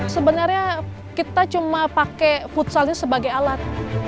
sebenarnya kita cuma pakai futsalnya sebagai alat